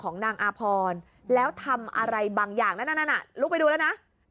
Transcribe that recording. นางอาพรแล้วทำอะไรบางอย่างนั้นลุกไปดูแล้วนะ